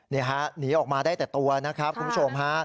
นี่ฮะหนีออกมาได้แต่ตัวนะครับคุณผู้ชมฮะ